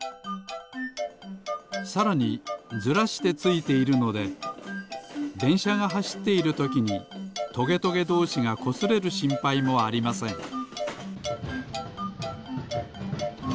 さらにずらしてついているのででんしゃがはしっているときにトゲトゲどうしがこすれるしんぱいもありません。